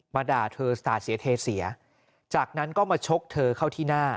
ด่าเธอสาดเสียเทเสียจากนั้นก็มาชกเธอเข้าที่หน้า